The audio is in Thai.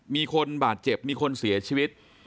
มีคนบาดเจ็บมีคนเสียชีวิต